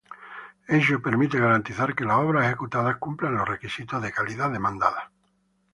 Ello permite garantizar que las obras ejecutadas cumplan los requisitos de calidad demandados.